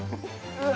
うわ！